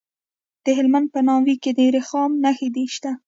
د هلمند په ناوې کې د رخام نښې شته.